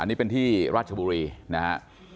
อันนี้เป็นที่ราชบุรีนะฮะ